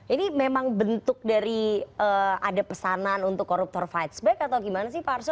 ini memang bentuk dari ada pesanan untuk koruptor fight back atau gimana sih pak arso